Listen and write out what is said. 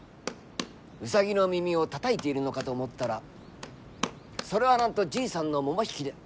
ウサギの耳をたたいているのかと思ったらそれはなんとじいさんのももひきで。